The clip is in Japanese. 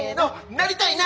なりたいな！